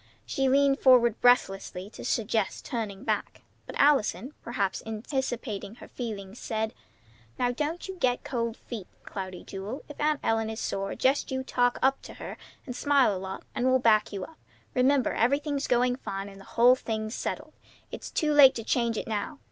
She leaned forward breathlessly to suggest turning back; but Allison, perhaps anticipating her feeling, said: "Now don't you get cold feet, Cloudy Jewel. If Aunt Ellen is sore, just you talk up to her, and smile a lot, and we'll back you up. Remember everything's, going fine, and the whole thing's settled. It's too late to change it now.